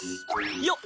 よっ！